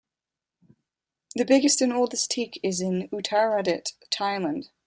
The biggest and oldest teak is in Uttaradit, Thailand.